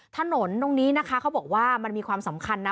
ถนนตรงนี้นะคะเขาบอกว่ามันมีความสำคัญนะ